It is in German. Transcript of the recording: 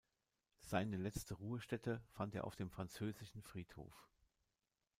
Seine letzte Ruhestätte fand er auf dem Französischen Friedhof.